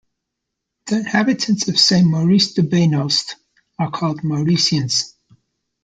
The inhabitants of Saint-Maurice-de-Beynost are called "Mauriciens".